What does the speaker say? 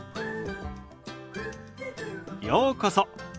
ようこそ。